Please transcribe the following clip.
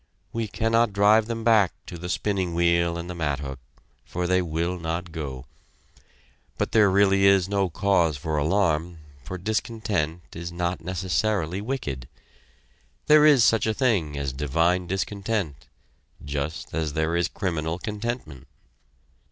We cannot drive them back to the spinning wheel and the mathook, for they will not go. But there is really no cause for alarm, for discontent is not necessarily wicked. There is such a thing as divine discontent just as there is criminal contentment.